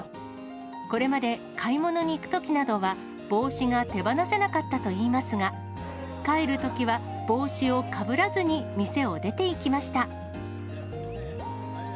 これまで買い物に行くときなどは、帽子が手放せなかったといいますが、帰るときは、帽子をかぶらずに店を出ていきました。